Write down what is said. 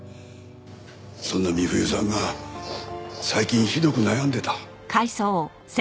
そんな美冬さんが最近ひどく悩んでた。